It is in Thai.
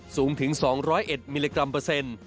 สูงถึง๒๐๑มิลลิกรัมเปอร์เซ็นต์